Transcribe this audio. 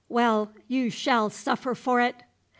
Well, you shall suffer for it!"